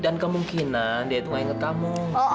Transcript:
dan kemungkinan dia tuh gak inget kamu